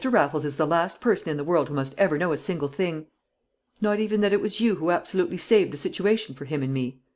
Raffles is the last person in the world who must ever know a single thing." "Not even that it was you who absolutely saved the situation for him and me?"